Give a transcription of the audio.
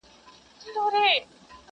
زموږ به کله د عمرونو رنځ دوا سي،